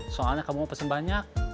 soalnya kamu mau pesen banyak